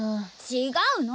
違うの！